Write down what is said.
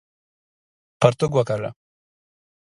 پرتوګ وکاږه!